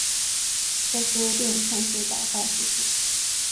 在书店看书打发时间